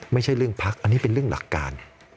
ไม่ใช่เรื่องพักอันนี้เป็นเรื่องหลักการ